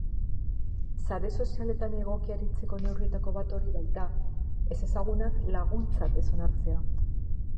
Sare sozialetan egoki aritzeko neurrietako bat hori baita, ezezagunak laguntzat ez onartzea.